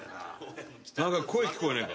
何か声聞こえねえか？